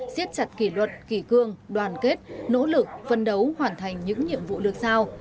xiết chặt kỷ luật kỷ cương đoàn kết nỗ lực phân đấu hoàn thành những nhiệm vụ được sao